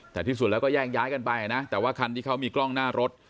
แต่ที่สุดแล้วก็แยกย้ายกันไปนะแต่ว่าคันที่เขามีกล้องหน้ารถ